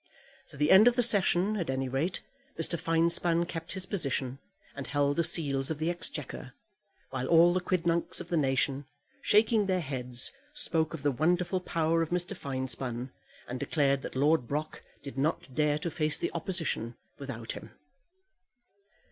To the end of the Session, at any rate, Mr. Finespun kept his position, and held the seals of the Exchequer while all the quidnuncs of the nation, shaking their heads, spoke of the wonderful power of Mr. Finespun, and declared that Lord Brock did not dare to face the Opposition without him.